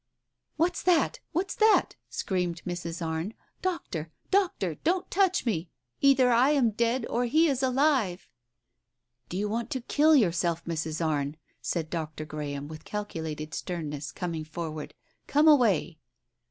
"What's that? What's that?" screamed Mrs. Arne. "Doctor! Doctor! Don't touch me! Either I am dead or he is alive !" "Do you want to kill yourself, Mrs. Arne?" said Dr. Graham, with calculated sternness, coming forward; "come away!"